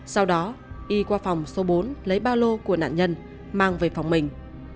sau đó y qua phòng số bốn lấy ba lô của nạn nhân mang về phòng mình